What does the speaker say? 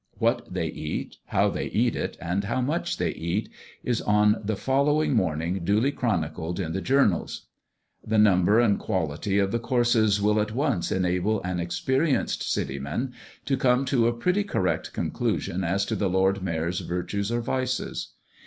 What they eat, how they eat it, and how much they eat, is on the following morning duly chronicled in the journals. The number and quality of the courses will at once enable an experienced city man to come to a pretty correct conclusion as to the Lord Mayor's virtues or vices.